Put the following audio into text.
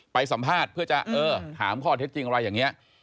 สัมภาษณ์เพื่อจะเออถามข้อเท็จจริงอะไรอย่างนี้